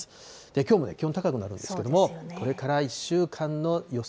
きょうも気温高くなるんですけれども、これから１週間の予想